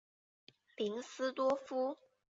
林斯多夫。